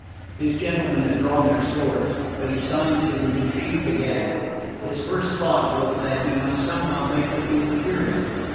His gentlemen had drawn their swords; but he signed to them to sheathe again. His first thought was that he must somehow make the people hear him.